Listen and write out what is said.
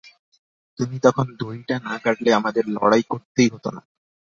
তুমি তখন দড়িটা না কাটলে আমাদের লড়াই করতেই হতো না।